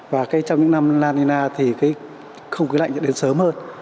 và trong những năm la nina thì cái không khí lạnh sẽ đến sớm hơn